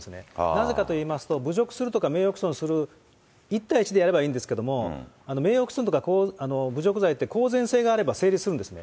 なぜかといいますと、侮辱するとか、名誉毀損する、１対１ですればいいんですけど、名誉毀損とか侮辱罪って、公然性があれば成立するんですね。